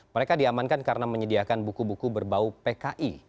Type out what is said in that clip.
mereka diamankan karena menyediakan buku buku berbau pki